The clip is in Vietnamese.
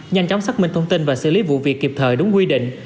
nhanh chóng xác minh thông tin và xử lý vụ việc kịp thời đúng quy định